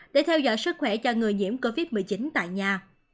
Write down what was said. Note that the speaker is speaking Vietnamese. để theo dõi sức khỏe cho người nhiễm covid một mươi chín tại nhà